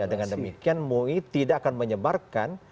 dengan demikian mui tidak akan menyebarkan